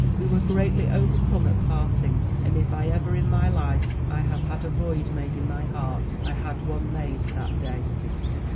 We were greatly overcome at parting, and if ever, in my life, I have had a void made in my heart, I had one made that day.